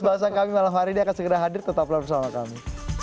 bahasan kami malam hari ini akan segera hadir tetaplah bersama kami